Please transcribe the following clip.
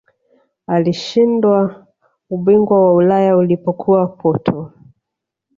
alishinda ubingwa wa ulaya alipokuwa porto